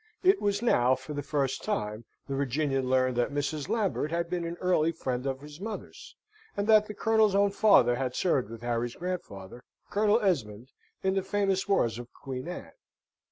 It was now, for the first time, the Virginian learned that Mrs. Lambert had been an early friend of his mother's, and that the Colonel's own father had served with Harry's grandfather, Colonel Esmond, in the famous wars of Queen Anne.